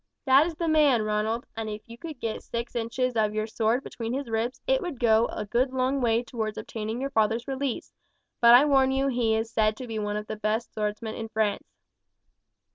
That is the man, Ronald, and if you could get six inches of your sword between his ribs it would go a good long way towards obtaining your father's release; but I warn you he is said to be one of the best swordsmen in France."